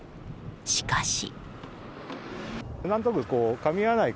しかし。